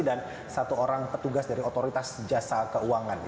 dan satu orang petugas dari otoritas jasa keuangan